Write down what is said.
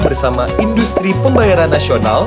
bersama industri pembayaran nasional